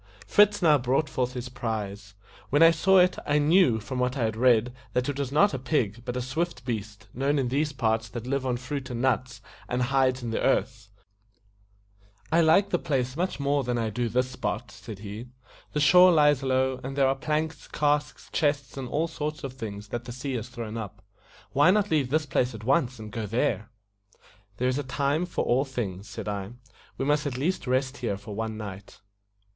Fritz now brought forth his prize. When I saw it, I knew, from what I had read, that it was not a pig, but a swift beast, known in these parts, that lives on fruit and nuts, and hides in the earth. (*The Agouti.) "I like the place much more than I do this spot," said he. "The shore lies low, and there are planks, casks, chests, and all sorts of things, that the sea has thrown up. Why not leave this place at once, and go there?" "There is a time for all things," said I. "We must at least rest here for one night."